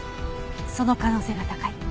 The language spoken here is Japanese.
その可能性が高い。